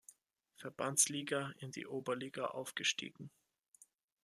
Verbandsliga in die Oberliga aufgestiegen.